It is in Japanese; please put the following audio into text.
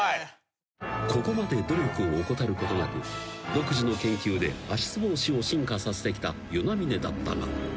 ［ここまで努力を怠ることなく独自の研究で足つぼ押しを進化させてきた與那嶺だったが］